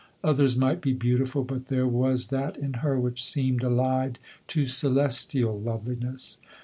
Others might be beautiful, but there was that in her, which seemed allied to celestial loveliness.